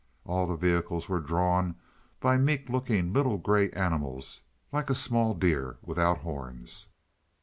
All the vehicles were drawn by meek looking little gray animals like a small deer without horns.